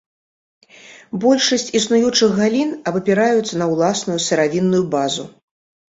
Большасць існуючых галін абапіраюцца на ўласную сыравінную базу.